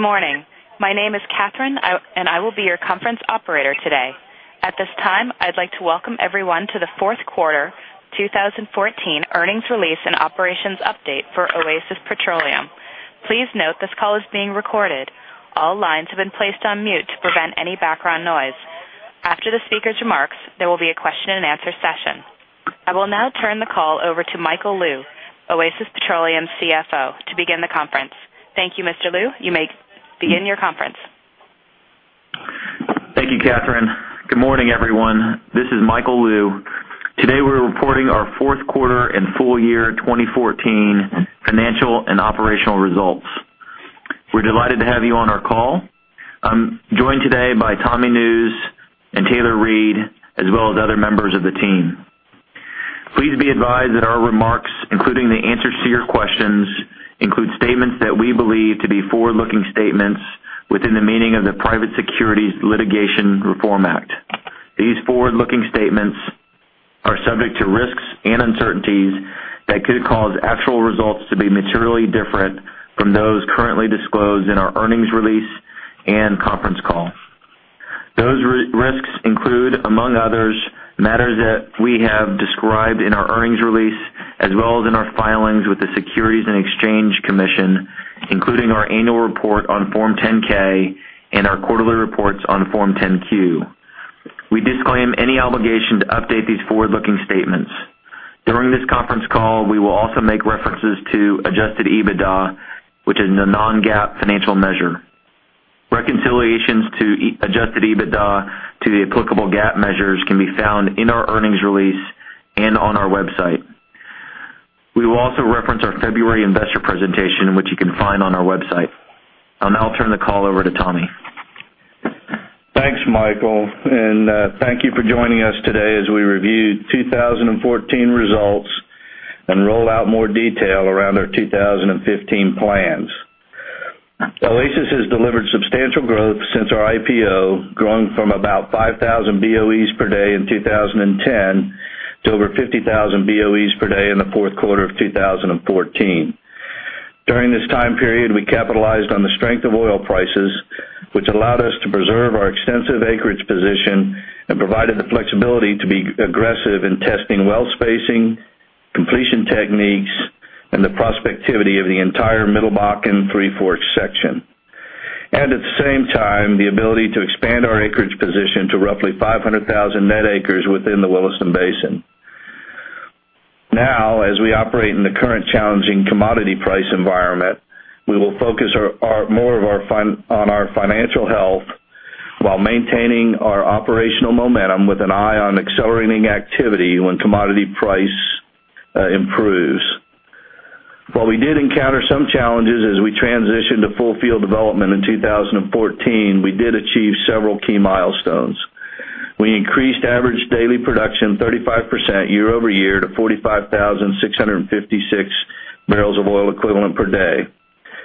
Good morning. My name is Catherine, and I will be your conference operator today. At this time, I'd like to welcome everyone to the fourth quarter 2014 earnings release and operations update for Oasis Petroleum. Please note this call is being recorded. All lines have been placed on mute to prevent any background noise. After the speaker's remarks, there will be a question and answer session. I will now turn the call over to Michael Lou, Oasis Petroleum CFO, to begin the conference. Thank you, Mr. Lou. You may begin your conference. Thank you, Catherine. Good morning, everyone. This is Michael Lou. Today, we're reporting our fourth quarter and full year 2014 financial and operational results. We're delighted to have you on our call. I'm joined today by Tommy Nusz and Taylor Reid, as well as other members of the team. Please be advised that our remarks, including the answers to your questions, include statements that we believe to be forward-looking statements within the meaning of the Private Securities Litigation Reform Act. These forward-looking statements are subject to risks and uncertainties that could cause actual results to be materially different from those currently disclosed in our earnings release and conference call. Those risks include, among others, matters that we have described in our earnings release, as well as in our filings with the Securities and Exchange Commission, including our annual report on Form 10-K and our quarterly reports on Form 10-Q. We disclaim any obligation to update these forward-looking statements. During this conference call, we will also make references to adjusted EBITDA, which is a non-GAAP financial measure. Reconciliations to adjusted EBITDA to the applicable GAAP measures can be found in our earnings release and on our website. I'll now turn the call over to Tommy. Thanks, Michael, and thank you for joining us today as we review 2014 results and roll out more detail around our 2015 plans. Oasis has delivered substantial growth since our IPO, growing from about 5,000 BOEs per day in 2010 to over 50,000 BOEs per day in the fourth quarter of 2014. During this time period, we capitalized on the strength of oil prices, which allowed us to preserve our extensive acreage position and provided the flexibility to be aggressive in testing well spacing, completion techniques, and the prospectivity of the entire Middle Bakken Three Forks section. At the same time, the ability to expand our acreage position to roughly 500,000 net acres within the Williston Basin. As we operate in the current challenging commodity price environment, we will focus more on our financial health while maintaining our operational momentum with an eye on accelerating activity when commodity price improves. While we did encounter some challenges as we transitioned to full field development in 2014, we did achieve several key milestones. We increased average daily production 35% year-over-year to 45,656 barrels of oil equivalent per day.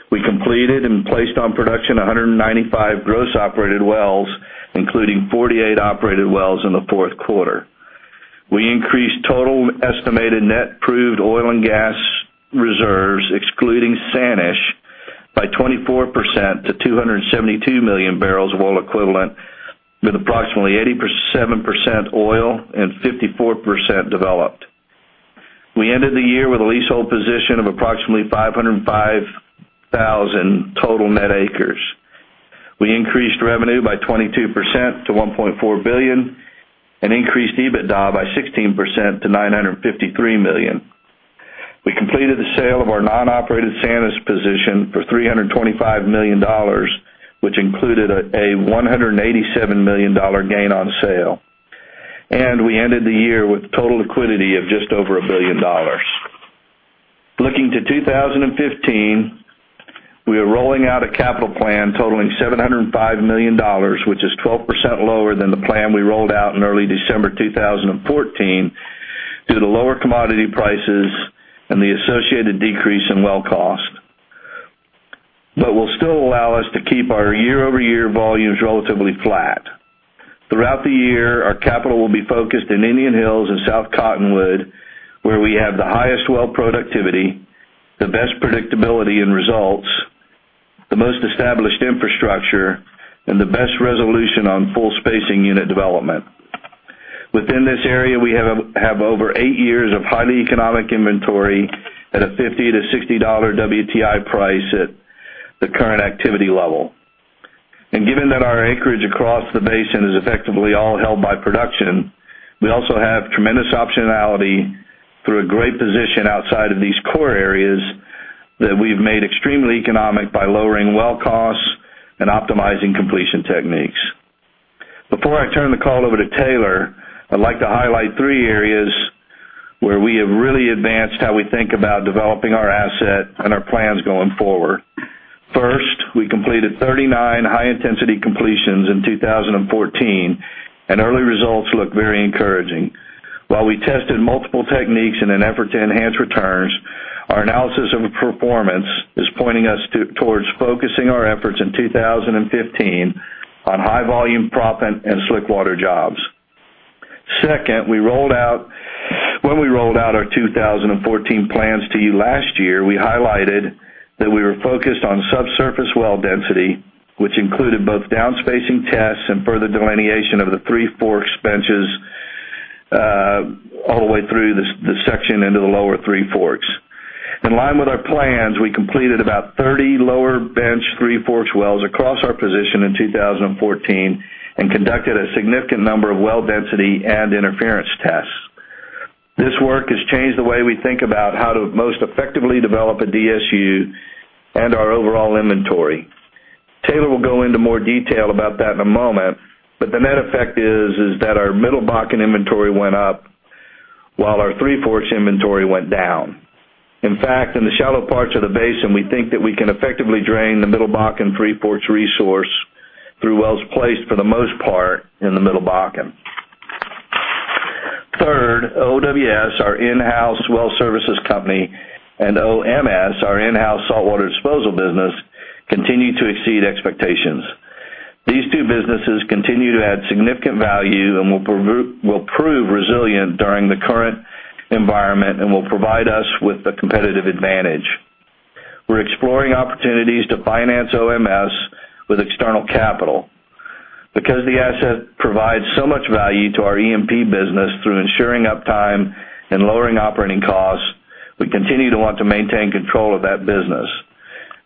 We completed and placed on production 195 gross operated wells, including 48 operated wells in the fourth quarter. We increased total estimated net proved oil and gas reserves, excluding Sanish, by 24% to 272 million barrels of oil equivalent, with approximately 87% oil and 54% developed. We ended the year with a leasehold position of approximately 505,000 total net acres. We increased revenue by 22% to $1.4 billion and increased EBITDA by 16% to $953 million. We completed the sale of our non-operated Sanish position for $325 million, which included a $187 million gain on sale. We ended the year with total liquidity of just over $1 billion. Looking to 2015, we are rolling out a capital plan totaling $705 million, which is 12% lower than the plan we rolled out in early December 2014 due to the lower commodity prices and the associated decrease in well cost. It will still allow us to keep our year-over-year volumes relatively flat. Throughout the year, our capital will be focused in Indian Hills and South Cottonwood, where we have the highest well productivity, the best predictability in results, the most established infrastructure, and the best resolution on full spacing unit development. Within this area, we have over 8 years of highly economic inventory at a $50-$60 WTI price at the current activity level. Given that our acreage across the basin is effectively all held by production, we also have tremendous optionality through a great position outside of these core areas that we've made extremely economic by lowering well costs and optimizing completion techniques. Before I turn the call over to Taylor, I'd like to highlight 3 areas where we have really advanced how we think about developing our asset and our plans going forward. First, we completed 39 high-intensity completions in 2014, and early results look very encouraging. While we tested multiple techniques in an effort to enhance returns, our analysis of performance is pointing us towards focusing our efforts in 2015 on high volume proppant and slick water jobs. Second, when we rolled out our 2014 plans to you last year, we highlighted that we were focused on subsurface well density, which included both down-spacing tests and further delineation of the Three Forks benches all the way through the section into the lower Three Forks. In line with our plans, we completed about 30 lower bench Three Forks wells across our position in 2014 and conducted a significant number of well density and interference tests. This work has changed the way we think about how to most effectively develop a DSU and our overall inventory. Taylor will go into more detail about that in a moment, but the net effect is that our Middle Bakken inventory went up while our Three Forks inventory went down. In fact, in the shallow parts of the basin, we think that we can effectively drain the Middle Bakken Three Forks resource through wells placed, for the most part, in the Middle Bakken. Third, OWS, our in-house well services company, and OMS, our in-house saltwater disposal business, continue to exceed expectations. These two businesses continue to add significant value and will prove resilient during the current environment and will provide us with a competitive advantage. We're exploring opportunities to finance OMS with external capital. Because the asset provides so much value to our E&P business through ensuring uptime and lowering operating costs, we continue to want to maintain control of that business.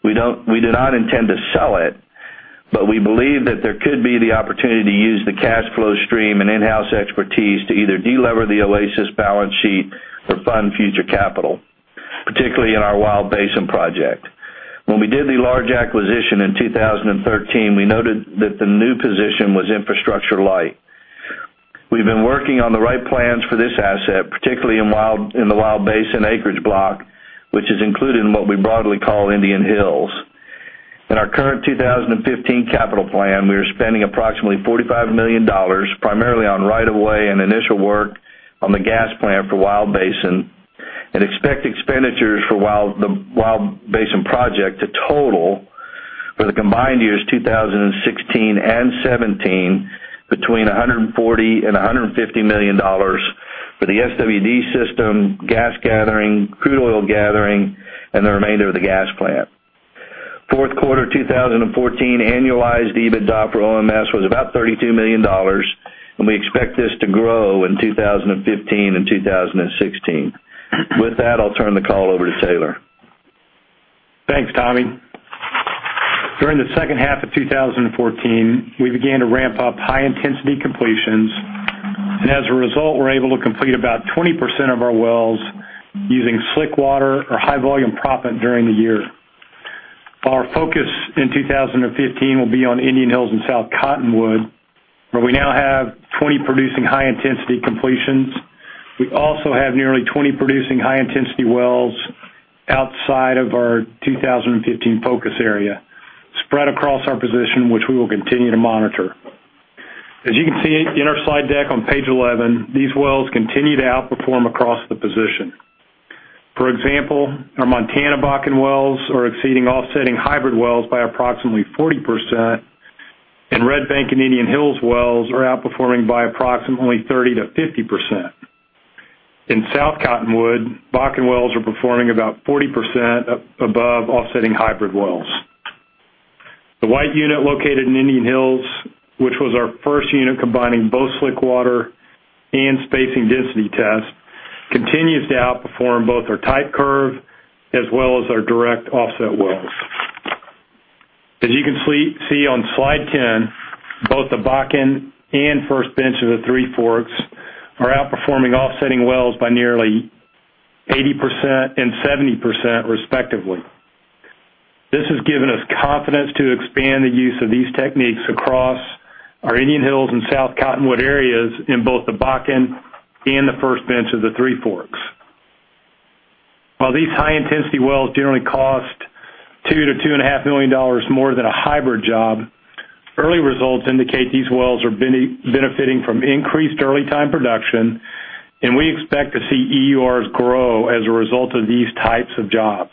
We do not intend to sell it. We believe that there could be the opportunity to use the cash flow stream and in-house expertise to either de-lever the Oasis balance sheet or fund future capital, particularly in our Wild Basin project. When we did the large acquisition in 2013, we noted that the new position was infrastructure light. We've been working on the right plans for this asset, particularly in the Wild Basin acreage block, which is included in what we broadly call Indian Hills. In our current 2015 capital plan, we are spending approximately $45 million, primarily on right of way and initial work on the gas plant for Wild Basin. We expect expenditures for the Wild Basin project to total for the combined years 2016 and 2017 between $140 million and $150 million for the SWD system, gas gathering, crude oil gathering, and the remainder of the gas plant. Fourth quarter 2014 annualized EBITDA for OMS was about $32 million. We expect this to grow in 2015 and 2016. With that, I'll turn the call over to Taylor. Thanks, Tommy. During the second half of 2014, we began to ramp up high-intensity completions. As a result, we were able to complete about 20% of our wells using slick water or high-volume proppant during the year. Our focus in 2015 will be on Indian Hills and South Cottonwood, where we now have 20 producing high-intensity completions. We also have nearly 20 producing high-intensity wells outside of our 2015 focus area spread across our position, which we will continue to monitor. As you can see in our slide deck on page 11, these wells continue to outperform across the position. For example, our Montana Bakken wells are exceeding offsetting hybrid wells by approximately 40%, and Red Bank and Indian Hills wells are outperforming by approximately 30%-50%. In South Cottonwood, Bakken wells are performing about 40% above offsetting hybrid wells. The White unit located in Indian Hills, which was our first unit combining both slick water and spacing density tests, continues to outperform both our type curve as well as our direct offset wells. As you can see on slide 10, both the Bakken and First Bench of the Three Forks are outperforming offsetting wells by nearly 80% and 70% respectively. This has given us confidence to expand the use of these techniques across our Indian Hills and South Cottonwood areas in both the Bakken and the First Bench of the Three Forks. While these high-intensity wells generally cost $2 million-$2.5 million more than a hybrid job, early results indicate these wells are benefiting from increased early time production, and we expect to see EURs grow as a result of these types of jobs.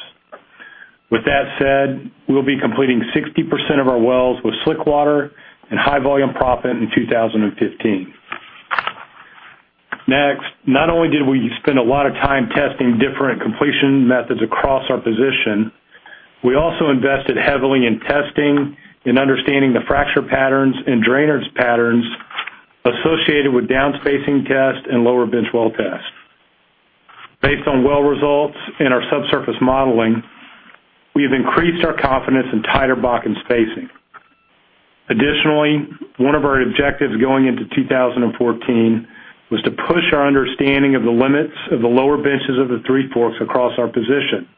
With that said, we'll be completing 60% of our wells with slick water and high-volume proppant in 2015. Next, not only did we spend a lot of time testing different completion methods across our position, we also invested heavily in testing and understanding the fracture patterns and drainage patterns associated with down-spacing tests and lower bench well tests. Based on well results and our subsurface modeling, we have increased our confidence in tighter Bakken spacing. Additionally, one of our objectives going into 2014 was to push our understanding of the limits of the lower benches of the Three Forks across our position.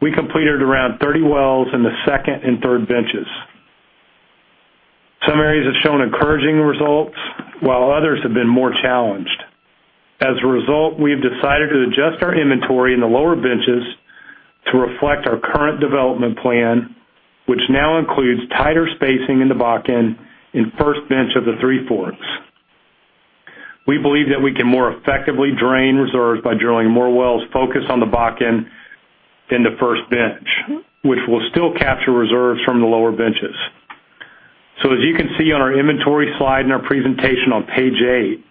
We completed around 30 wells in the second and third benches. Some areas have shown encouraging results, while others have been more challenged. As a result, we have decided to adjust our inventory in the lower benches to reflect our current development plan, which now includes tighter spacing in the Bakken in First Bench of the Three Forks. We believe that we can more effectively drain reserves by drilling more wells focused on the Bakken in the First Bench, which will still capture reserves from the lower benches. As you can see on our inventory slide in our presentation on Page 8,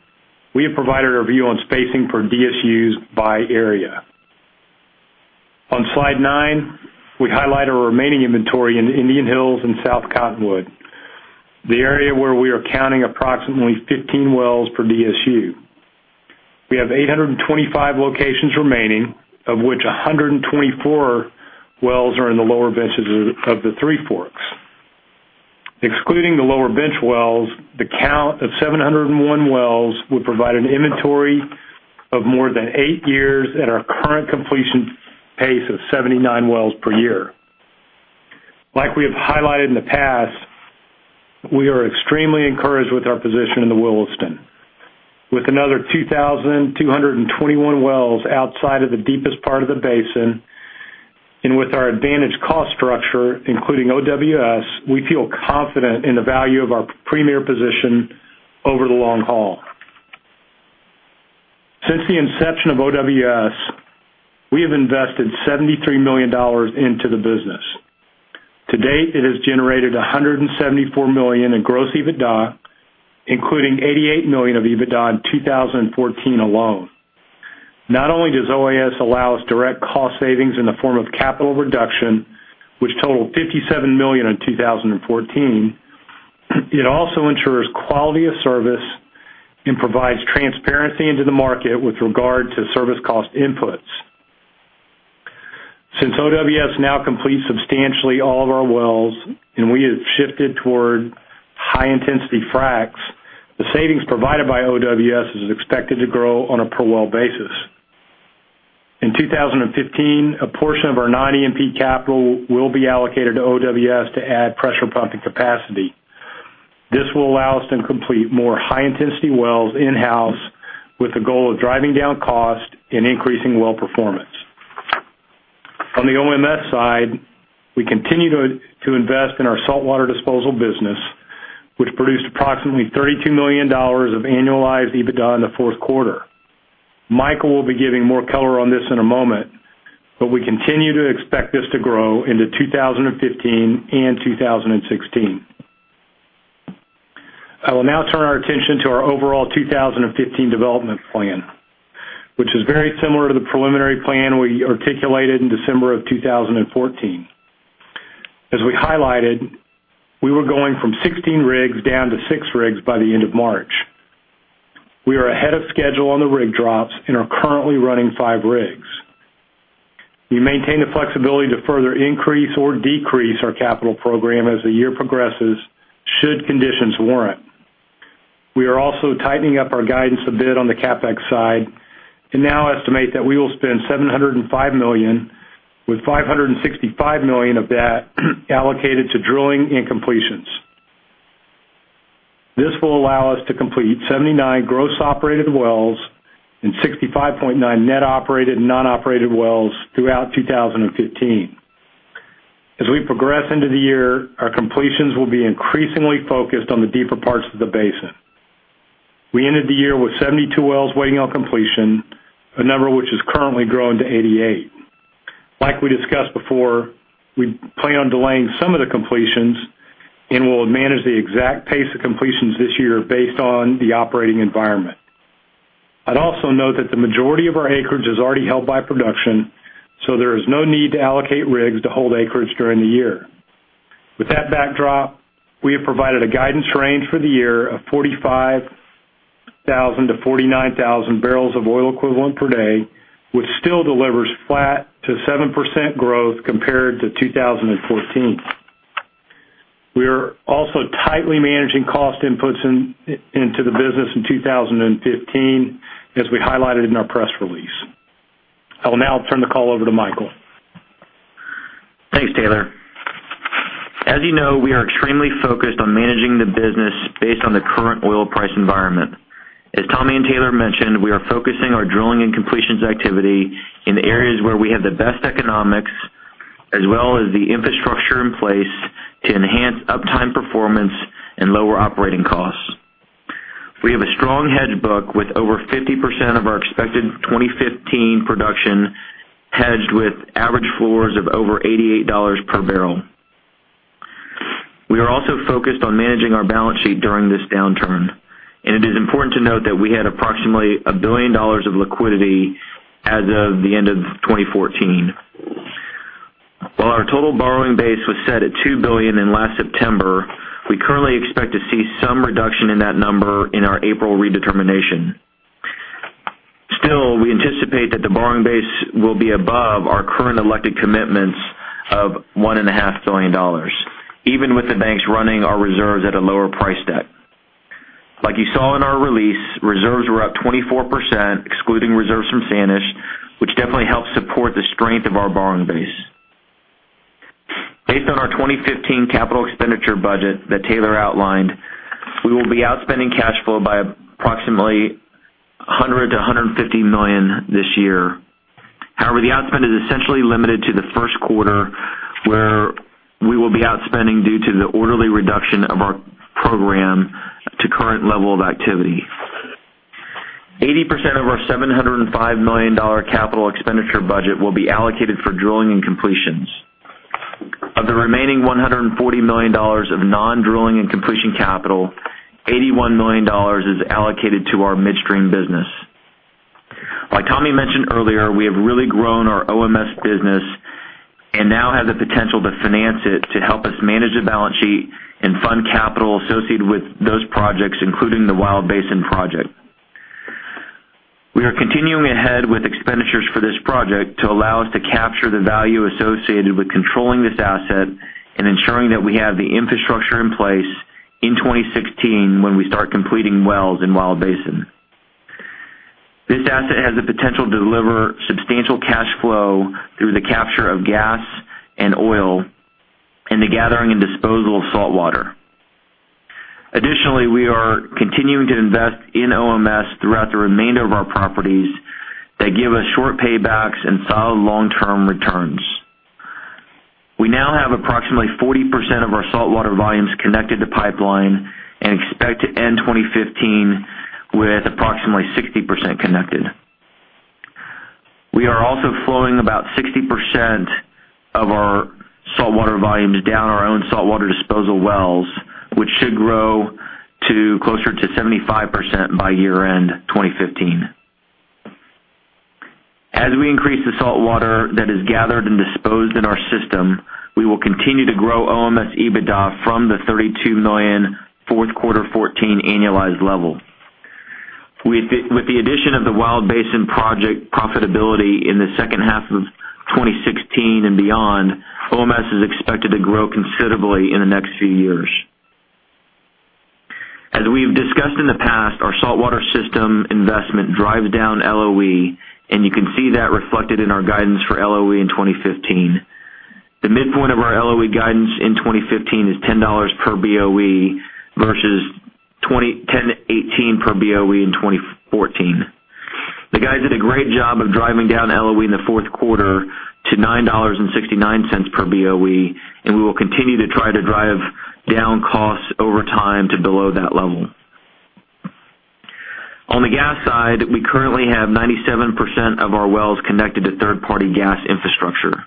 we have provided a review on spacing for DSUs by area. On Slide 9, we highlight our remaining inventory in Indian Hills and South Cottonwood, the area where we are counting approximately 15 wells per DSU. We have 825 locations remaining, of which 124 wells are in the lower benches of the Three Forks. Excluding the lower bench wells, the count of 701 wells would provide an inventory of more than eight years at our current completion pace of 79 wells per year. Like we have highlighted in the past, we are extremely encouraged with our position in the Williston. With another 2,221 wells outside of the deepest part of the basin, and with our advantage cost structure, including OWS, we feel confident in the value of our premier position over the long haul. Since the inception of OWS, we have invested $73 million into the business. To date, it has generated $174 million in gross EBITDA, including $88 million of EBITDA in 2014 alone. Not only does OWS allow us direct cost savings in the form of capital reduction, which totaled $57 million in 2014, it also ensures quality of service and provides transparency into the market with regard to service cost inputs. Since OWS now completes substantially all of our wells and we have shifted toward high-intensity fracs, the savings provided by OWS is expected to grow on a per-well basis. In 2015, a portion of our non-E&P capital will be allocated to OWS to add pressure pumping capacity. This will allow us to complete more high-intensity wells in-house with the goal of driving down cost and increasing well performance. On the OMS side, we continue to invest in our saltwater disposal business, which produced approximately $32 million of annualized EBITDA in the fourth quarter. Michael will be giving more color on this in a moment, but we continue to expect this to grow into 2015 and 2016. I will now turn our attention to our overall 2015 development plan, which is very similar to the preliminary plan we articulated in December of 2014. We highlighted, we were going from 16 rigs down to six rigs by the end of March. We are ahead of schedule on the rig drops and are currently running five rigs. We maintain the flexibility to further increase or decrease our capital program as the year progresses, should conditions warrant. We are also tightening up our guidance a bit on the CapEx side and now estimate that we will spend $705 million, with $565 million of that allocated to drilling and completions. This will allow us to complete 79 gross operated wells and 65.9 net operated and non-operated wells throughout 2015. We progress into the year, our completions will be increasingly focused on the deeper parts of the basin. We ended the year with 72 wells waiting on completion, a number which has currently grown to 88. Like we discussed before, we plan on delaying some of the completions, and we'll manage the exact pace of completions this year based on the operating environment. I'd also note that the majority of our acreage is already held by production, there is no need to allocate rigs to hold acreage during the year. With that backdrop, we have provided a guidance range for the year of 45,000 to 49,000 barrels of oil equivalent per day, which still delivers flat to 7% growth compared to 2014. We are also tightly managing cost inputs into the business in 2015, we highlighted in our press release. I will now turn the call over to Michael. Thanks, Taylor. You know, we are extremely focused on managing the business based on the current oil price environment. Tommy and Taylor mentioned, we are focusing our drilling and completions activity in the areas where we have the best economics, as well as the infrastructure in place to enhance uptime performance and lower operating costs. We have a strong hedge book with over 50% of our expected 2015 production hedged with average floors of over $88 per barrel. We are also focused on managing our balance sheet during this downturn, it is important to note that we had approximately a billion dollars of liquidity as of the end of 2014. Our total borrowing base was set at two billion in last September, we currently expect to see some reduction in that number in our April redetermination. We anticipate that the borrowing base will be above our current elected commitments of $1.5 billion, even with the banks running our reserves at a lower price debt. Like you saw in our release, reserves were up 24%, excluding reserves from Sanish, which definitely helps support the strength of our borrowing base. Based on our 2015 capital expenditure budget that Taylor outlined, we will be outspending cash flow by approximately $100 million-$150 million this year. The outspend is essentially limited to the first quarter, where we will be outspending due to the orderly reduction of our program to current level of activity. 80% of our $705 million capital expenditure budget will be allocated for drilling and completions. Of the remaining $140 million of non-drilling and completion capital, $81 million is allocated to our midstream business. Like Tommy mentioned earlier, we have really grown our OMS business and now have the potential to finance it to help us manage the balance sheet and fund capital associated with those projects, including the Wild Basin project. We are continuing ahead with expenditures for this project to allow us to capture the value associated with controlling this asset and ensuring that we have the infrastructure in place in 2016 when we start completing wells in Wild Basin. This asset has the potential to deliver substantial cash flow through the capture of gas and oil and the gathering and disposal of saltwater. Additionally, we are continuing to invest in OMS throughout the remainder of our properties that give us short paybacks and solid long-term returns. We now have approximately 40% of our saltwater volumes connected to pipeline and expect to end 2015 with approximately 60% connected. We are also flowing about 60% of our saltwater volumes down our own saltwater disposal wells, which should grow to closer to 75% by year-end 2015. As we increase the saltwater that is gathered and disposed in our system, we will continue to grow OMS EBITDA from the $32 million fourth quarter 2014 annualized level. With the addition of the Wild Basin project profitability in the second half of 2016 and beyond, OMS is expected to grow considerably in the next few years. As we've discussed in the past, our saltwater system investment drives down LOE, and you can see that reflected in our guidance for LOE in 2015. The midpoint of our LOE guidance in 2015 is $10 per BOE versus $10-$18 per BOE in 2014. The guys did a great job of driving down LOE in the fourth quarter to $9.69 per BOE. We will continue to try to drive down costs over time to below that level. On the gas side, we currently have 97% of our wells connected to third-party gas infrastructure.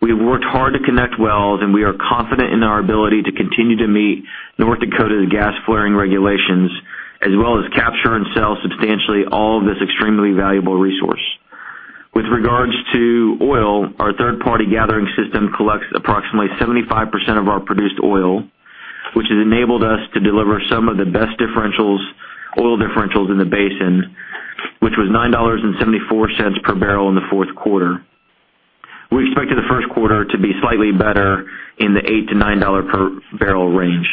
We have worked hard to connect wells. We are confident in our ability to continue to meet North Dakota's gas flaring regulations, as well as capture and sell substantially all of this extremely valuable resource. With regards to oil, our third-party gathering system collects approximately 75% of our produced oil, which has enabled us to deliver some of the best oil differentials in the basin, which was $9.74 per barrel in the fourth quarter. We expect the first quarter to be slightly better in the $8-$9 per barrel range.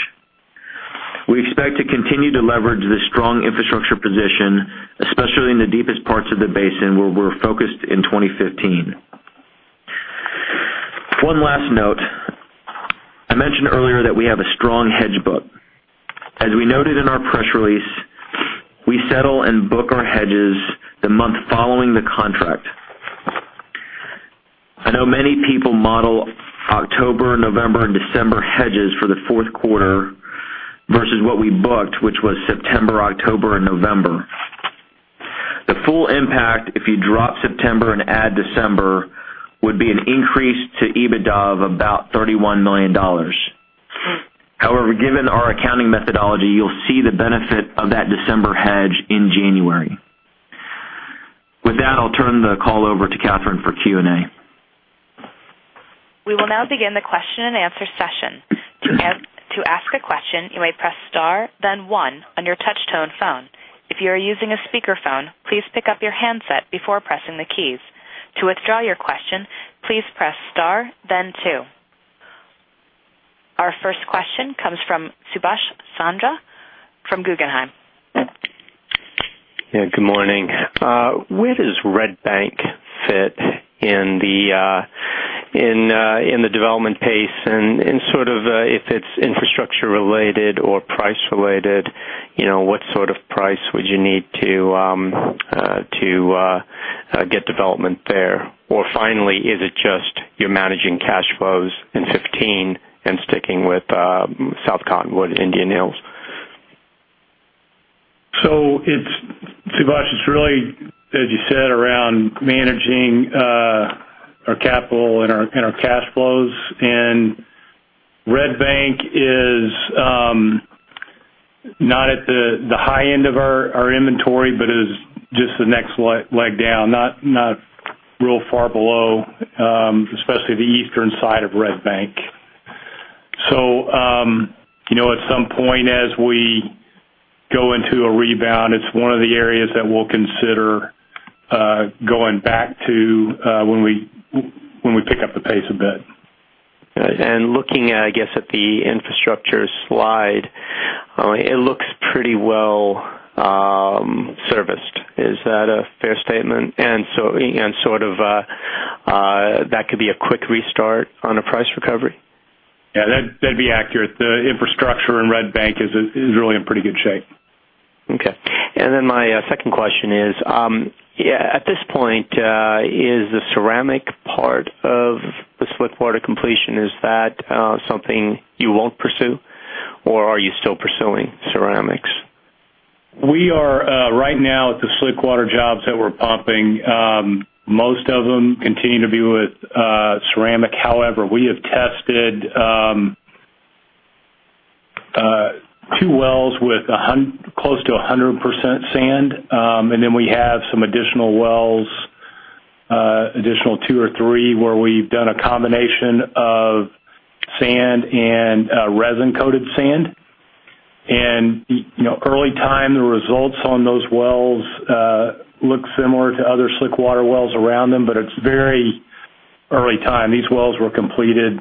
We expect to continue to leverage this strong infrastructure position, especially in the deepest parts of the basin, where we're focused in 2015. One last note. I mentioned earlier that we have a strong hedge book. As we noted in our press release, we settle and book our hedges the month following the contract. I know many people model October, November, and December hedges for the fourth quarter versus what we booked, which was September, October, and November. The full impact, if you drop September and add December, would be an increase to EBITDA of about $31 million. However, given our accounting methodology, you'll see the benefit of that December hedge in January. With that, I'll turn the call over to Catherine for Q&A. We will now begin the question and answer session. To ask a question, you may press star then one on your touch tone phone. If you are using a speakerphone, please pick up your handset before pressing the keys. To withdraw your question, please press star then two. Our first question comes from Subash Chandra from Guggenheim. Yeah, good morning. Where does Red Bank fit in the development pace, and if it's infrastructure related or price related, what sort of price would you need to get development there? Finally, is it just you're managing cash flows in 2015 and sticking with South Cottonwood Indian Hills? Subash, it's really, as you said, around managing our capital and our cash flows. Red Bank is not at the high end of our inventory, but is just the next leg down, not real far below, especially the eastern side of Red Bank. At some point as we go into a rebound, it's one of the areas that we'll consider going back to when we pick up the pace a bit. Looking, I guess, at the infrastructure slide, it looks pretty well serviced. Is that a fair statement? That could be a quick restart on a price recovery? Yeah, that'd be accurate. The infrastructure in Red Bank is really in pretty good shape. Okay. My second question is, at this point, is the ceramic part of the slick water completion, is that something you won't pursue? Are you still pursuing ceramics? We are, right now at the slick water jobs that we're pumping, most of them continue to be with ceramic. However, we have tested two wells with close to 100% sand. We have some additional wells, additional two or three, where we've done a combination of sand and resin-coated sand. Early time, the results on those wells look similar to other slick water wells around them, but it's very early time. These wells were completed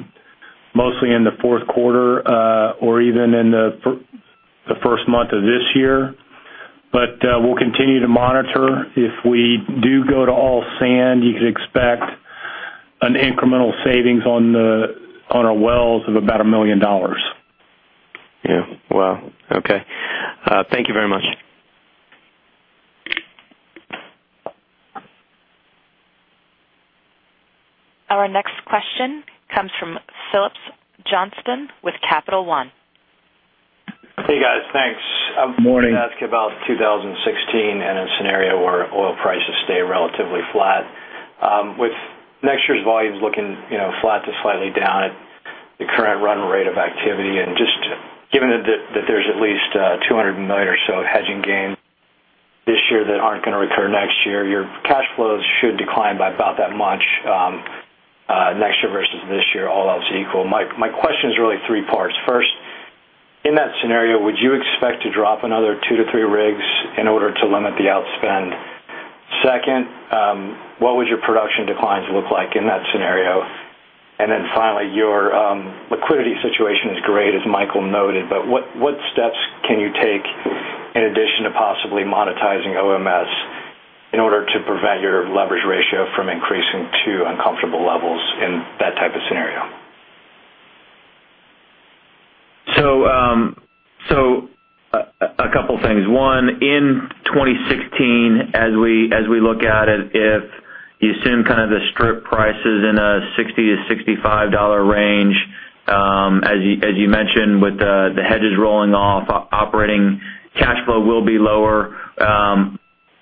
mostly in the fourth quarter, or even in the first month of this year. We'll continue to monitor. If we do go to all sand, you could expect an incremental savings on our wells of about $1 million. Yeah. Wow, okay. Thank you very much. Our next question comes from Phillips Johnston with Capital One. Hey, guys. Thanks. Morning. I wanted to ask about 2016 in a scenario where oil prices stay relatively flat. With next year's volumes looking flat to slightly down at the current run rate of activity, just given that there's at least $200 million or so of hedging gain this year that aren't going to recur next year, your cash flows should decline by about that much next year versus this year, all else equal. My question's really three parts. First, in that scenario, would you expect to drop another 2-3 rigs in order to limit the outspend? Second, what would your production declines look like in that scenario? Finally, your liquidity situation is great, as Michael noted, but what steps can you take in addition to possibly monetizing OMS in order to prevent your leverage ratio from increasing to uncomfortable levels in that type of scenario? A couple things. One, in 2016, as we look at it, if you assume the strip price is in a $60-$65 range, as you mentioned, with the hedges rolling off, operating cash flow will be lower.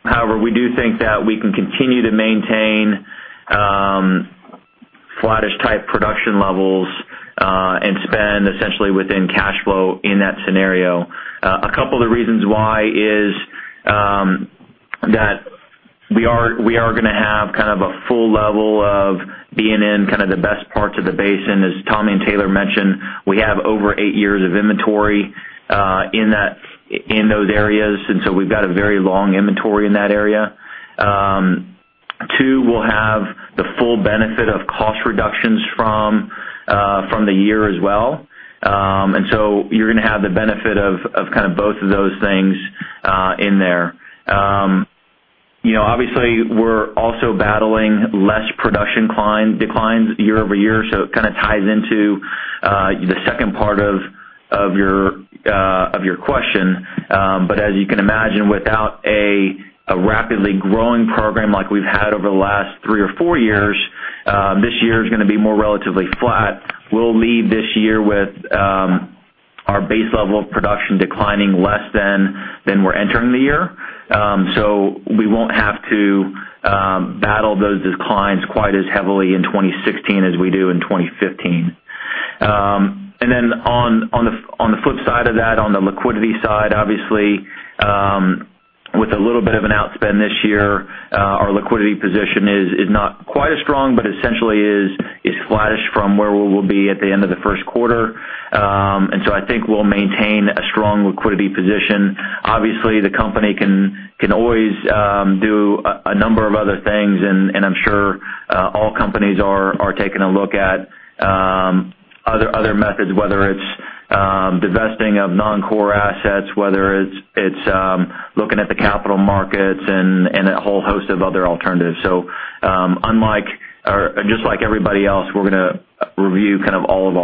However, we do think that we can continue to maintain flattish type production levels, spend essentially within cash flow in that scenario. A couple of the reasons why is that we are going to have a full level of being in the best parts of the basin. As Tommy and Taylor mentioned, we have over eight years of inventory in those areas, we've got a very long inventory in that area. Two, we'll have the full benefit of cost reductions from the year as well. You're going to have the benefit of both of those things in there. Obviously, we're also battling less production declines year-over-year, it ties into the second part of your question. As you can imagine, without a rapidly growing program like we've had over the last three or four years, this year's going to be more relatively flat. We'll leave this year with our base level of production declining less than we're entering the year. We won't have to battle those declines quite as heavily in 2016 as we do in 2015. On the flip side of that, on the liquidity side, obviously, with a little bit of an outspend this year, our liquidity position is not quite as strong, but essentially is flattish from where we will be at the end of the first quarter. I think we'll maintain a strong liquidity position. Obviously, the company can always do a number of other things, I'm sure all companies are taking a look at other methods, whether it's divesting of non-core assets, whether it's looking at the capital markets, and a whole host of other alternatives. Just like everybody else, we're going to review all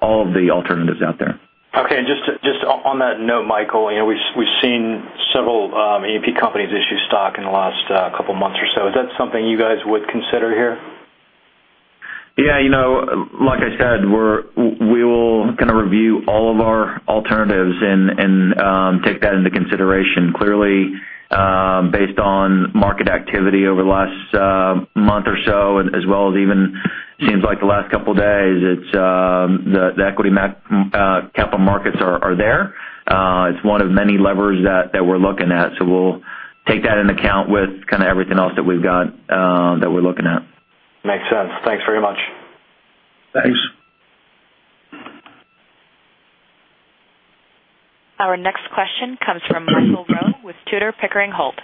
of the alternatives out there. Okay. Just on that note, Michael, we've seen several E&P companies issue stock in the last couple of months or so. Is that something you guys would consider here? Yeah. Like I said, we will review all of our alternatives and take that into consideration. Clearly, based on market activity over the last month or so, as well as even, seems like the last couple of days, the equity capital markets are there. It's one of many levers that we're looking at, so we'll take that into account with everything else that we're looking at. Makes sense. Thanks very much. Thanks. Our next question comes from Michael Roe with Tudor, Pickering, Holt.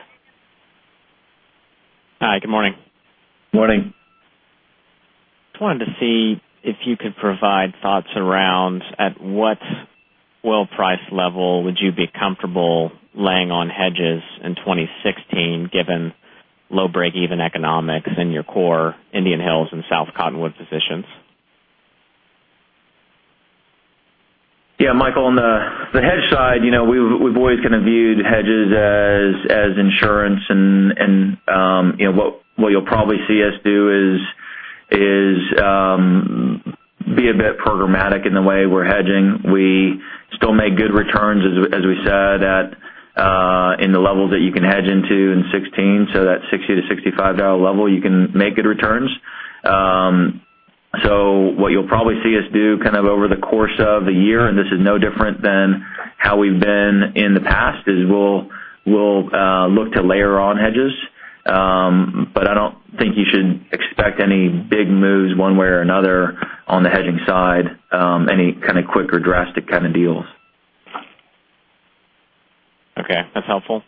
Hi, good morning. Morning. Just wanted to see if you could provide thoughts around at what oil price level would you be comfortable laying on hedges in 2016, given low breakeven economics in your core Indian Hills and South Cottonwood positions? Yeah, Michael, on the hedge side, we've always viewed hedges as insurance. What you'll probably see us do is be a bit programmatic in the way we're hedging. We still make good returns, as we said, in the levels that you can hedge into in 2016. That $60-$65 level, you can make good returns. What you'll probably see us do over the course of the year, and this is no different than how we've been in the past, is we'll look to layer on hedges. I don't think you should expect any big moves one way or another on the hedging side, any kind of quick or drastic kind of deals. Okay. That's helpful.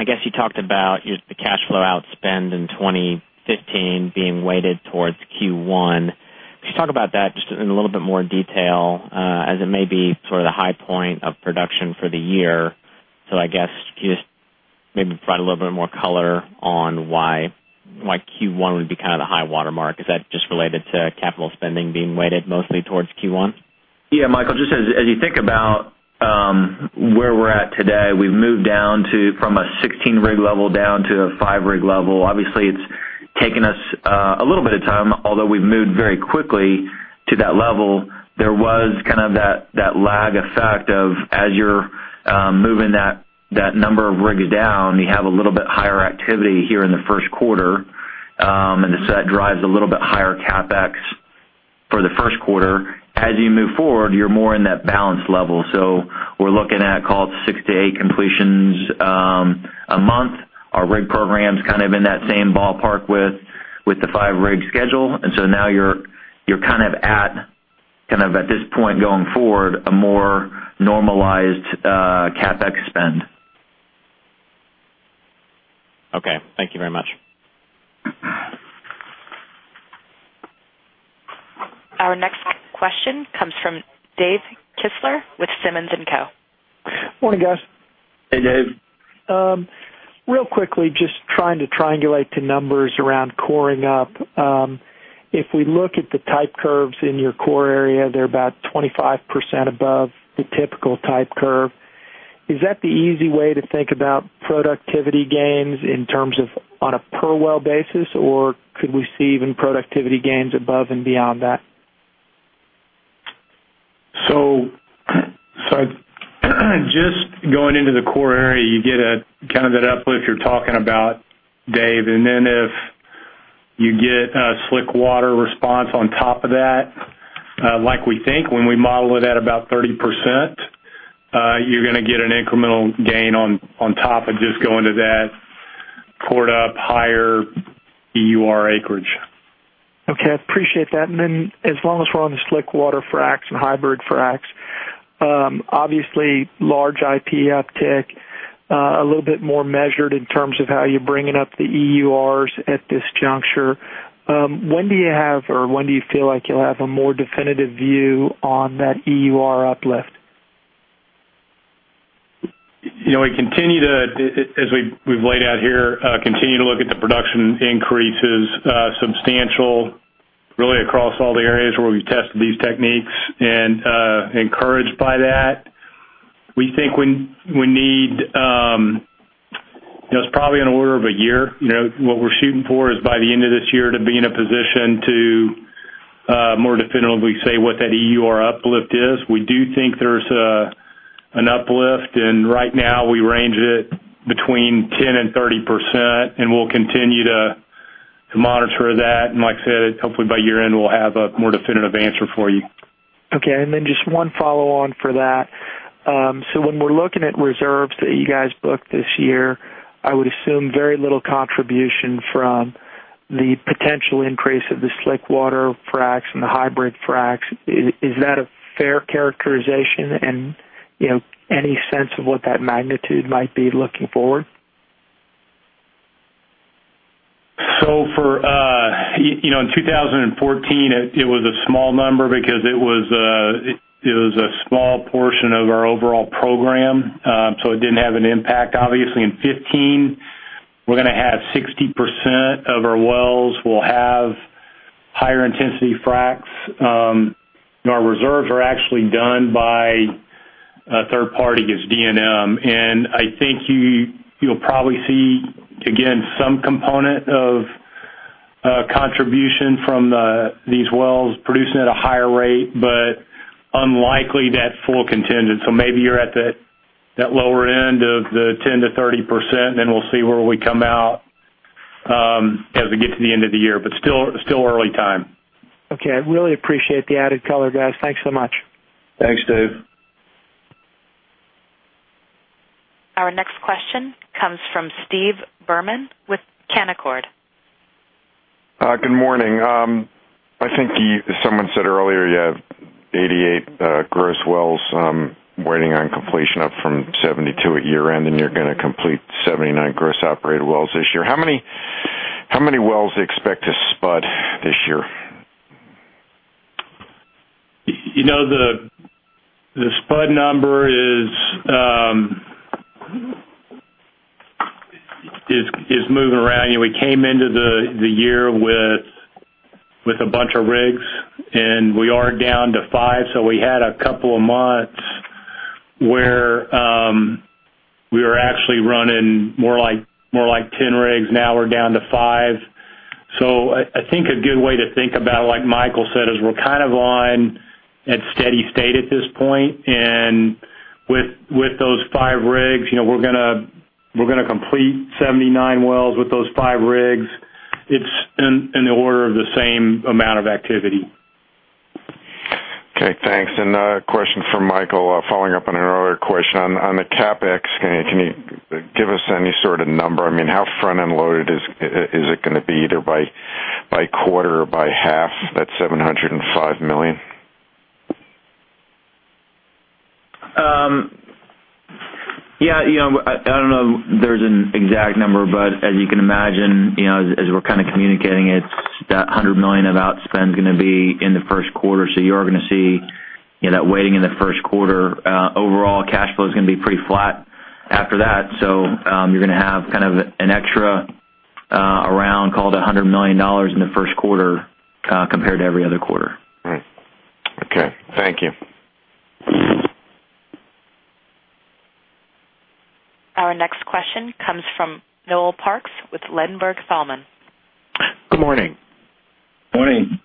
I guess you talked about the cash flow outspend in 2015 being weighted towards Q1. Could you talk about that just in a little bit more detail, as it may be sort of the high point of production for the year. I guess, could you just maybe provide a little bit more color on why Q1 would be the high watermark? Is that just related to capital spending being weighted mostly towards Q1? Yeah, Michael. As you think about where we're at today, we've moved down from a 16-rig level down to a five-rig level. Obviously, it's taken us a little bit of time, although we've moved very quickly to that level. There was that lag effect of as you're moving that number of rigs down, you have a little bit higher activity here in the first quarter, that drives a little bit higher CapEx for the first quarter. As you move forward, you're more in that balance level. We're looking at call it six to eight completions a month. Our rig program's in that same ballpark with the five-rig schedule. Now you're at this point going forward, a more normalized CapEx spend. Okay. Thank you very much. Our next question comes from David Kistler with Simmons & Co. Morning, guys. Hey, Dave. Real quickly, just trying to triangulate the numbers around coring up. If we look at the type curves in your core area, they're about 25% above the typical type curve. Is that the easy way to think about productivity gains in terms of on a per-well basis, or could we see even productivity gains above and beyond that? Just going into the core area, you get that uplift you're talking about, Dave. Then if you get a slick water response on top of that, like we think when we model it at about 30%, you're going to get an incremental gain on top of just going to that cored-up higher EUR acreage. Okay. I appreciate that. Then, as long as we're on the slick water fracs and hybrid fracs, obviously large IP uptick, a little bit more measured in terms of how you're bringing up the EURs at this juncture. When do you feel like you'll have a more definitive view on that EUR uplift? We continue to, as we've laid out here, continue to look at the production increases substantial, really across all the areas where we've tested these techniques, encouraged by that. We think it's probably on the order of a year. What we're shooting for is by the end of this year to be in a position to more definitively say what that EUR uplift is. We do think there's an uplift. Right now we range it between 10%-30%. We'll continue to monitor that. Like I said, hopefully by year-end, we'll have a more definitive answer for you. Okay. Just one follow-on for that. When we're looking at reserves that you guys booked this year, I would assume very little contribution from the potential increase of the slick water fracs and the hybrid fracs. Is that a fair characterization? Any sense of what that magnitude might be looking forward? For in 2014, it was a small number because it was a small portion of our overall program. It didn't have an impact. Obviously, in 2015, we're going to have 60% of our wells will have higher intensity fracs. Our reserves are actually done by a third party, it's D&M. I think you'll probably see, again, some component of contribution from these wells producing at a higher rate, unlikely that full contingent. Maybe you're at that lower end of the 10%-30%. We'll see where we come out as we get to the end of the year. Still early time. Okay. I really appreciate the added color, guys. Thanks so much. Thanks, Dave. Our next question comes from Steve Berman with Canaccord. Good morning. I think someone said earlier you have 88 gross wells waiting on completion up from 72 at year-end, and you're going to complete 79 gross operated wells this year. How many wells do you expect to spud this year? The spud number is moving around. We came into the year with a bunch of rigs, and we are down to five, so we had a couple of months Where we were actually running more like 10 rigs, now we're down to five. I think a good way to think about it, like Michael said, is we're on at steady state at this point, and with those five rigs, we're going to complete 79 wells with those five rigs. It's in the order of the same amount of activity. Okay, thanks. A question for Michael, following up on an earlier question. On the CapEx, can you give us any sort of number? How front-end loaded is it going to be, either by quarter or by half, that $705 million? Yeah. I don't know if there's an exact number, but as you can imagine, as we're communicating, it's that $100 million of outspend's going to be in the first quarter, so you are going to see that weighting in the first quarter. Overall cash flow is going to be pretty flat after that. You're going to have an extra around, call it $100 million in the first quarter, compared to every other quarter. Right. Okay. Thank you. Our next question comes from Noel Parks with Ladenburg Thalmann. Good morning. Morning.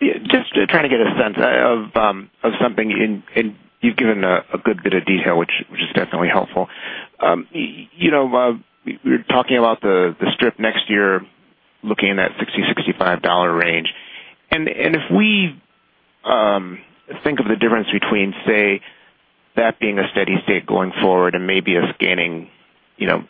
Just trying to get a sense of something, you've given a good bit of detail, which is definitely helpful. You were talking about the strip next year, looking in that $60, $65 range. If we think of the difference between, say, that being a steady state going forward and maybe us gaining $10,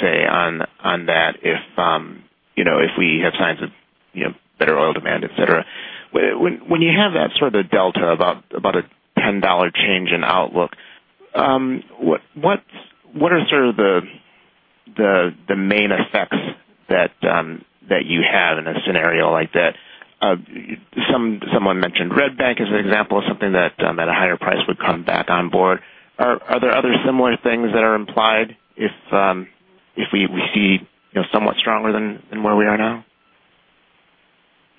say, on that, if we have signs of better oil demand, et cetera. When you have that sort of delta, about a $10 change in outlook, what are the main effects that you have in a scenario like that? Someone mentioned Red Bank as an example of something that a higher price would come back on board. Are there other similar things that are implied if we see somewhat stronger than where we are now?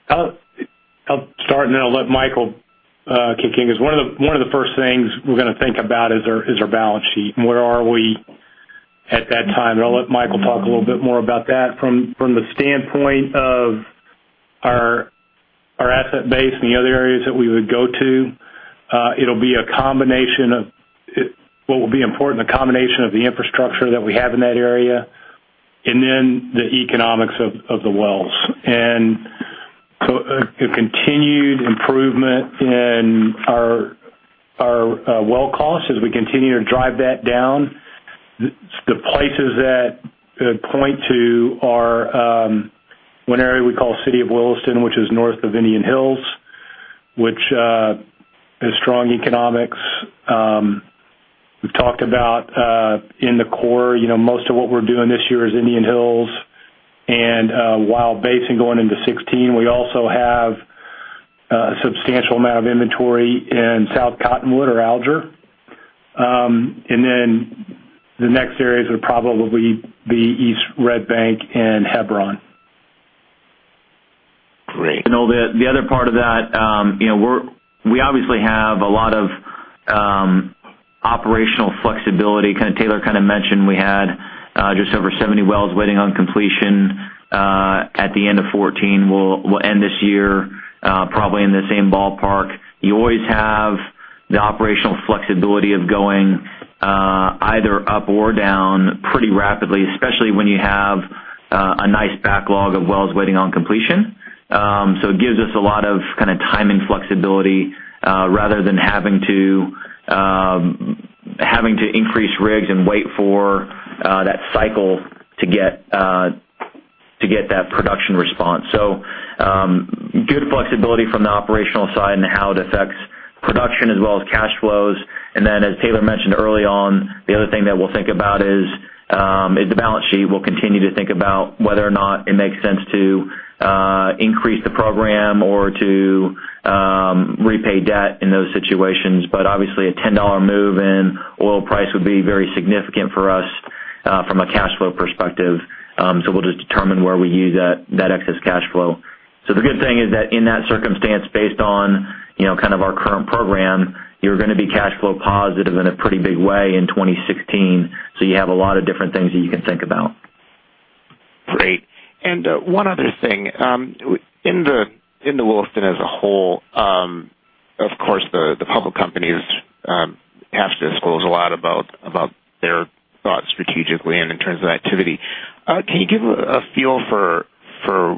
I'll start, then I'll let Michael kick in, because one of the first things we're going to think about is our balance sheet, and where are we at that time? I'll let Michael talk a little bit more about that. From the standpoint of our asset base and the other areas that we would go to, what will be important, the combination of the infrastructure that we have in that area, then the economics of the wells. So a continued improvement in our well costs as we continue to drive that down. The places that point to are one area we call City of Williston, which is north of Indian Hills, which has strong economics. We've talked about in the core, most of what we're doing this year is Indian Hills and Wild Basin going into 2016. We also have a substantial amount of inventory in South Cottonwood or Alger. The next areas would probably be East Red Bank and Hebron. Great. Noel, the other part of that, we obviously have a lot of operational flexibility. Taylor mentioned we had just over 70 wells waiting on completion at the end of 2014. We'll end this year probably in the same ballpark. You always have the operational flexibility of going either up or down pretty rapidly, especially when you have a nice backlog of wells waiting on completion. It gives us a lot of timing flexibility, rather than having to increase rigs and wait for that cycle to get that production response. Good flexibility from the operational side and how it affects production as well as cash flows. As Taylor mentioned early on, the other thing that we'll think about is the balance sheet. We'll continue to think about whether or not it makes sense to increase the program or to repay debt in those situations. Obviously, a $10 move in oil price would be very significant for us from a cash flow perspective. We'll just determine where we use that excess cash flow. The good thing is that in that circumstance, based on our current program, you're going to be cash flow positive in a pretty big way in 2016. You have a lot of different things that you can think about. Great. One other thing. In the Williston as a whole, of course, the public companies have to disclose a lot about their thoughts strategically and in terms of activity. Can you give a feel for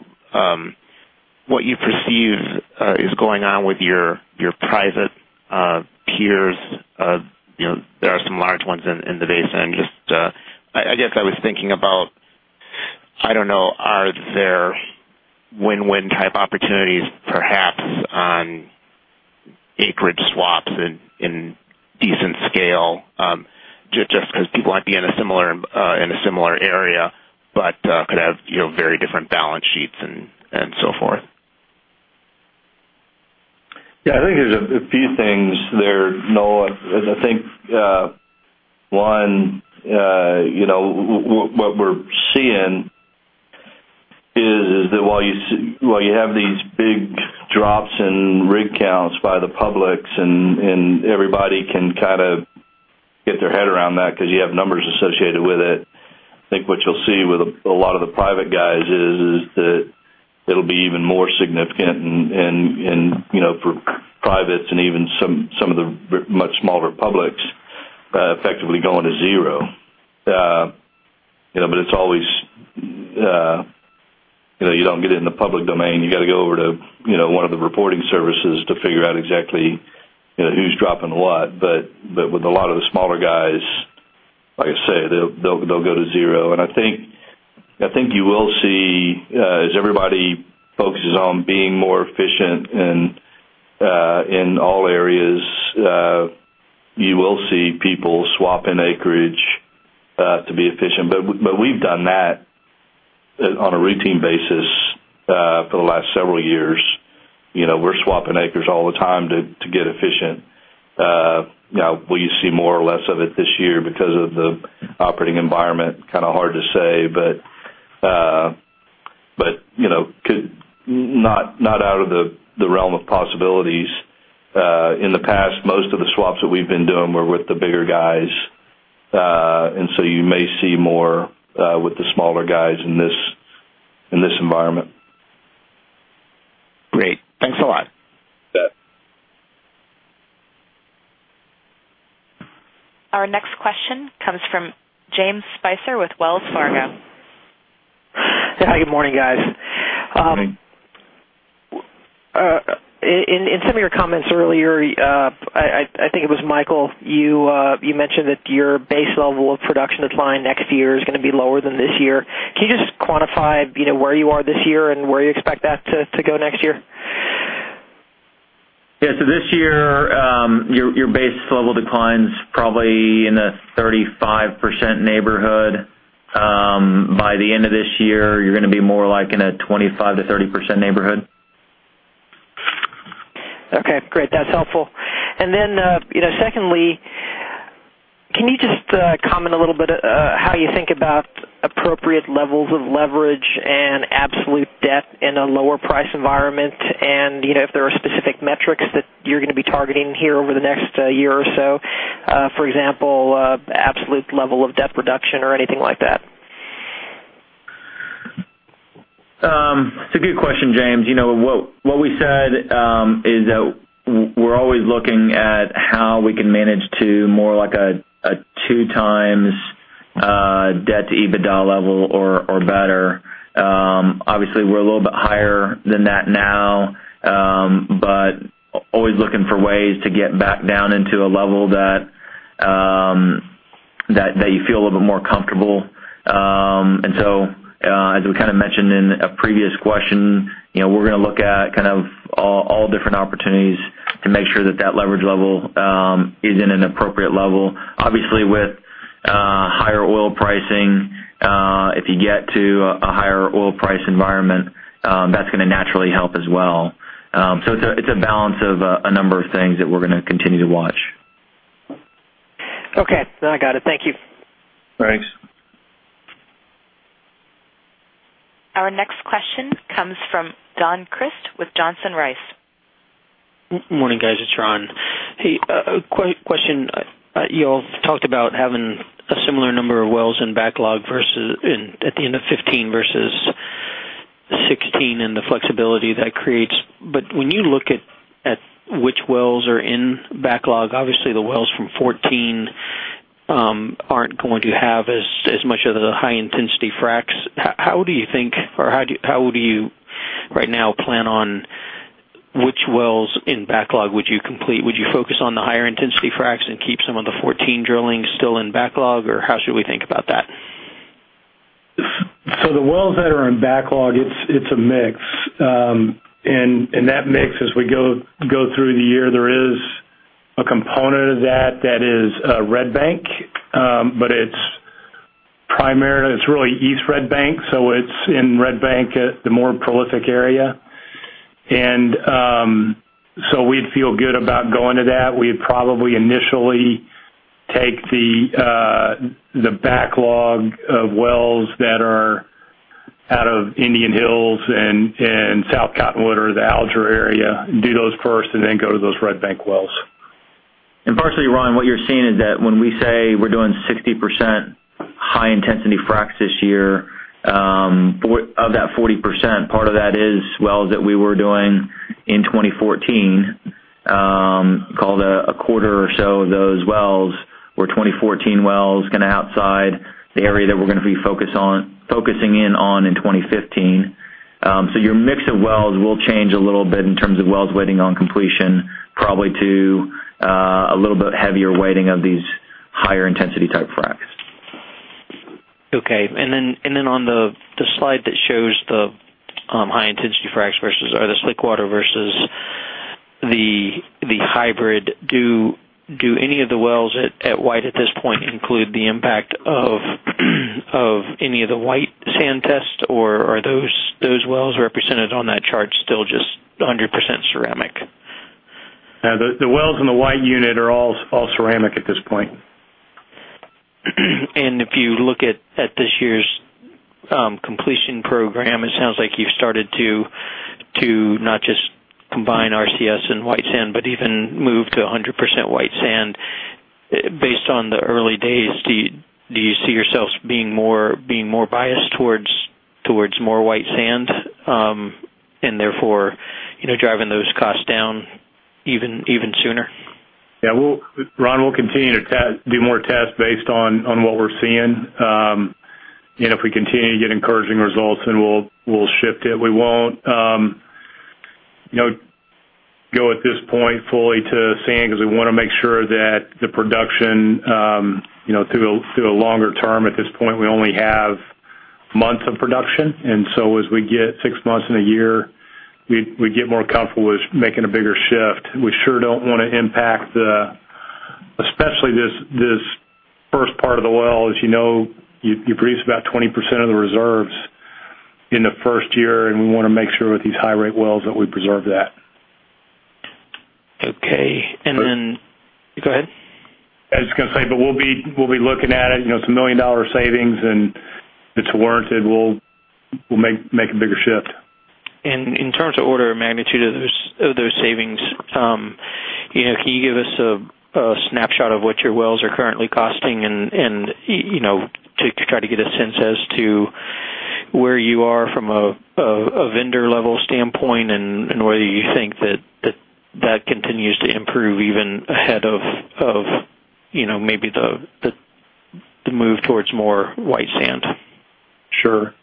what you perceive is going on with your private peers? There are some large ones in the basin. I guess I was thinking about, I don't know, are there win-win type opportunities perhaps on acreage swaps in decent scale? Just because people might be in a similar area, but could have very different balance sheets and so forth. Yeah, I think there's a few things there, Noel. I think, one, what we're seeing is that while you have these big drops in rig counts by the publics, and everybody can get their head around that because you have numbers associated with it, I think what you'll see with a lot of the private guys is that it'll be even more significant, and for privates and even some of the much smaller publics, effectively going to zero. You don't get it in the public domain. You got to go over to one of the reporting services to figure out exactly who's dropping what. With a lot of the smaller guys, like I said, they'll go to zero. I think you will see, as everybody focuses on being more efficient in all areas, you will see people swapping acreage to be efficient. We've done that on a routine basis for the last several years. We're swapping acres all the time to get efficient. Now, will you see more or less of it this year because of the operating environment? Hard to say, but not out of the realm of possibilities. In the past, most of the swaps that we've been doing were with the bigger guys. You may see more with the smaller guys in this environment. Great. Thanks a lot. You bet. Our next question comes from James Spicer with Wells Fargo. Hi, good morning, guys. Good morning. In some of your comments earlier, I think it was Michael, you mentioned that your base level of production decline next year is going to be lower than this year. Can you just quantify where you are this year and where you expect that to go next year? Yeah. This year, your base level decline's probably in the 35% neighborhood. By the end of this year, you're going to be more in a 25%-30% neighborhood. Okay, great. That's helpful. Secondly, can you just comment a little bit how you think about appropriate levels of leverage and absolute debt in a lower price environment and if there are specific metrics that you're going to be targeting here over the next year or so? For example, absolute level of debt reduction or anything like that. It's a good question, James. What we said is that we're always looking at how we can manage to more like a two times debt to EBITDA level or better. Obviously, we're a little bit higher than that now, but always looking for ways to get back down into a level that you feel a little bit more comfortable. As we mentioned in a previous question, we're going to look at all different opportunities to make sure that leverage level is in an appropriate level. Obviously, with higher oil pricing, if you get to a higher oil price environment, that's going to naturally help as well. It's a balance of a number of things that we're going to continue to watch. Okay. No, I got it. Thank you. Thanks. Our next question comes from Don Crist with Johnson Rice. Morning, guys. It's Ron. Hey, a quick question. When you look at which wells are in backlog, obviously the wells from 2014 aren't going to have as much of the high-intensity fracs. How do you right now plan on which wells in backlog would you complete? Would you focus on the higher intensity fracs and keep some of the 2014 drilling still in backlog, or how should we think about that? The wells that are in backlog, it's a mix. In that mix, as we go through the year, there is a component of that that is Red Bank. It's really East Red Bank, so it's in Red Bank at the more prolific area. We'd feel good about going to that. We'd probably initially take the backlog of wells that are out of Indian Hills and South Cottonwood or the Alger area, and do those first, and then go to those Red Bank wells. Partially, Ron, what you're seeing is that when we say we're doing 60% high-intensity fracs this year, of that 40%, part of that is wells that we were doing in 2014. Call it a quarter or so of those wells were 2014 wells outside the area that we're going to be focusing in on in 2015. Your mix of wells will change a little bit in terms of wells waiting on completion, probably to a little bit heavier weighting of these higher intensity type fracs. Okay. Then on the slide that shows the high intensity fracs versus the slick water versus the hybrid, do any of the wells at White at this point include the impact of any of the White sand tests, or are those wells represented on that chart still just 100% ceramic? The wells in the White Unit are all ceramic at this point. If you look at this year's completion program, it sounds like you've started to not just combine RCS and White sand, but even move to 100% White sand. Based on the early days, do you see yourselves being more biased towards more White sand, and therefore, driving those costs down even sooner? Yeah. Don, we'll continue to do more tests based on what we're seeing. If we continue to get encouraging results, we'll shift it. We won't go at this point fully to sand because we want to make sure that the production, through a longer term, at this point, we only have months of production, as we get six months in a year, we get more comfortable with making a bigger shift. We sure don't want to impact, especially this first part of the well. As you know, you produce about 20% of the reserves in the first year, we want to make sure with these high-rate wells that we preserve that. Okay. Go ahead. I was going to say, we'll be looking at it. It's a $1 million savings, if it's warranted, we'll make a bigger shift. In terms of order of magnitude of those savings, can you give us a snapshot of what your wells are currently costing, to try to get a sense as to where you are from a vendor-level standpoint and whether you think that that continues to improve even ahead of maybe the move towards more white sand? Sure.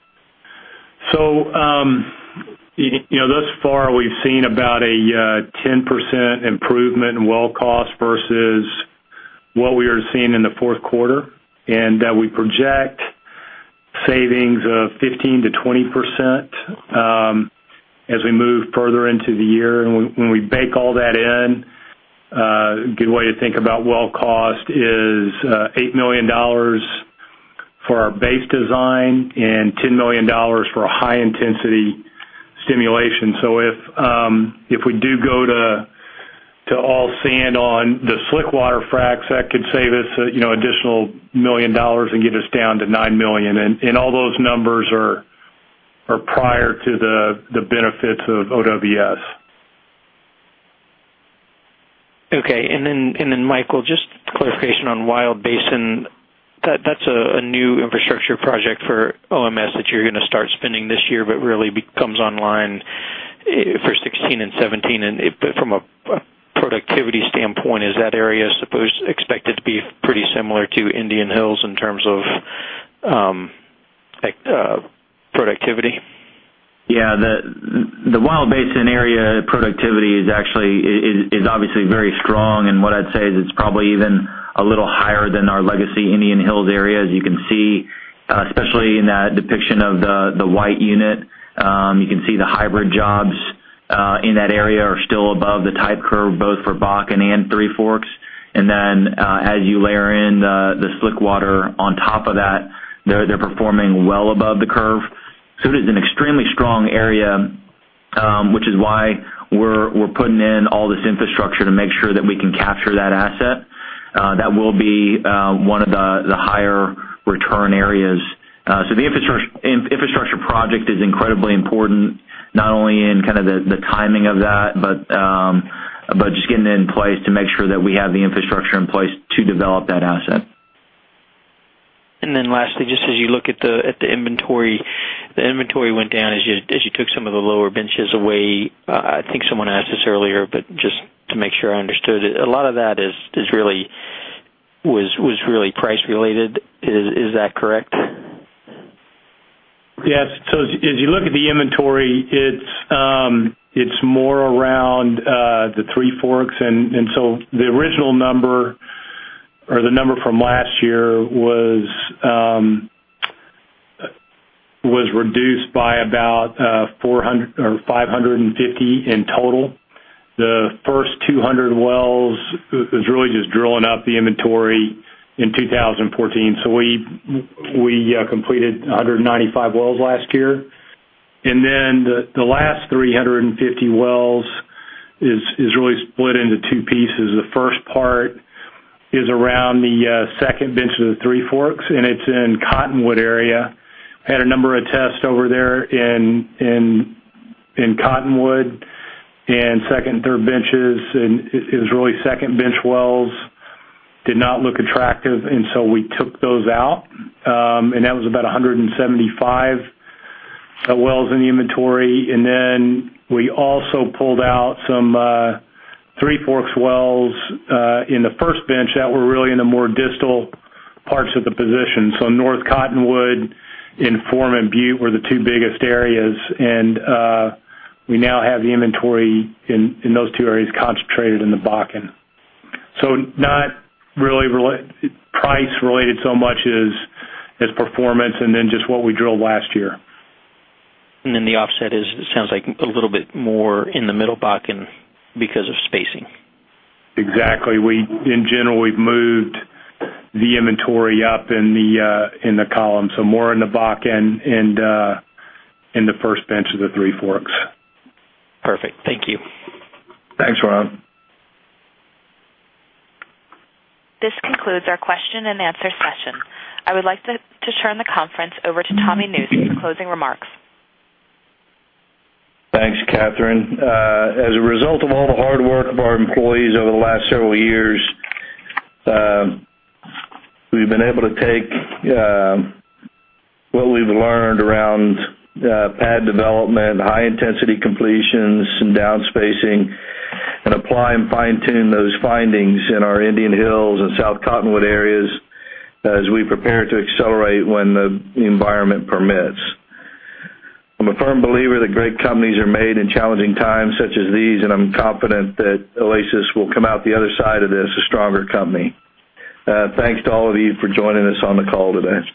Thus far, we've seen about a 10% improvement in well cost versus what we are seeing in the fourth quarter, we project savings of 15%-20% as we move further into the year. When we bake all that in, a good way to think about well cost is $8 million for our base design and $10 million for a high-intensity stimulation. If we do go to all sand on the slick water fracs, that could save us additional $1 million and get us down to $9 million. All those numbers are prior to the benefits of OWS. Michael, just clarification on Wild Basin. That's a new infrastructure project for OMS that you're going to start spending this year, but really becomes online for 2016 and 2017. From a productivity standpoint, is that area expected to be pretty similar to Indian Hills in terms of productivity? The Wild Basin area productivity is obviously very strong, and what I'd say is it's probably even a little higher than our legacy Indian Hills area. As you can see, especially in that depiction of the White unit, you can see the hybrid jobs in that area are still above the type curve, both for Bakken and Three Forks. Then, as you layer in the slick water on top of that, they're performing well above the curve. It is an extremely strong area, which is why we're putting in all this infrastructure to make sure that we can capture that asset. That will be one of the higher return areas. The infrastructure project is incredibly important, not only in the timing of that, but just getting it in place to make sure that we have the infrastructure in place to develop that asset. Lastly, just as you look at the inventory, the inventory went down as you took some of the lower benches away. I think someone asked this earlier, but just to make sure I understood it, a lot of that was really price related. Is that correct? Yes. As you look at the inventory, it's more around the Three Forks. The original number or the number from last year was reduced by about 400 or 550 in total. The first 200 wells is really just drilling up the inventory in 2014. We completed 195 wells last year. Then the last 350 wells is really split into two pieces. The first part is around the second bench of the Three Forks, and it's in Cottonwood area. Had a number of tests over there in Cottonwood and second, third benches, and it was really second bench wells. Did not look attractive, and so we took those out, and that was about 175 wells in the inventory. Then we also pulled out some Three Forks wells in the first bench that were really in the more distal parts of the position. North Cottonwood and Foreman Butte were the two biggest areas, and we now have the inventory in those two areas concentrated in the Bakken. Not really price related so much as performance and then just what we drilled last year. The offset is, it sounds like a little bit more in the Middle Bakken because of spacing. Exactly. In general, we've moved the inventory up in the column, so more in the Bakken and in the first bench of the Three Forks. Perfect. Thank you. Thanks, Ron. This concludes our question and answer session. I would like to turn the conference over to Tommy Nusz for closing remarks. Thanks, Catherine. As a result of all the hard work of our employees over the last several years, we've been able to take what we've learned around pad development, high-intensity completions, and downspacing, and apply and fine-tune those findings in our Indian Hills and South Cottonwood areas as we prepare to accelerate when the environment permits. I'm a firm believer that great companies are made in challenging times such as these, and I'm confident that Oasis will come out the other side of this a stronger company. Thanks to all of you for joining us on the call today.